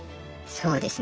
そうですね。